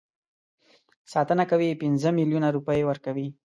ساتنه کوي پنځه میلیونه روپۍ ورکوي.